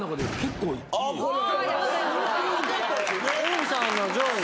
恵さんの上位。